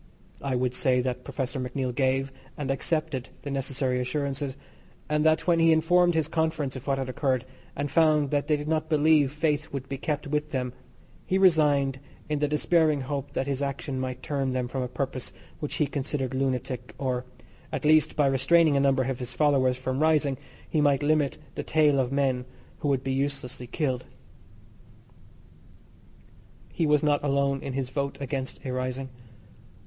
I would say that Professor MacNeill gave and accepted the necessary assurances, and that when he informed his conference of what had occurred, and found that they did not believe faith would be kept with them, he resigned in the dispairing hope that his action might turn them from a purpose which he considered lunatic, or, at least, by restraining a number of his followers from rising, he might limit the tale of men who would be uselessly killed. He was not alone in his vote against a rising.